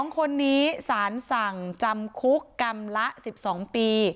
๒คนนี้สารสั่งจำคุกกรรมละ๑๒ปี